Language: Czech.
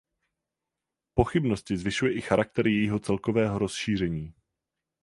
Pochybnosti zvyšuje i charakter jejího celkového rozšíření.